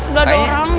udah ada orang pak